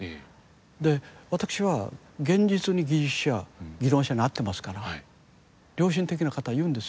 で私は現実に技術者・技能者に会ってますから良心的な方が言うんです。